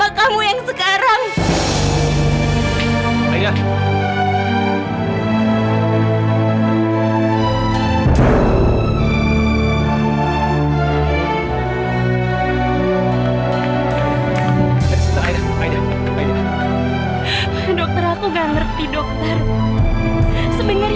aku gak tau apa yang kamu pikirin